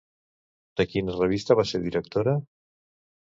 De quina revista va ser directora?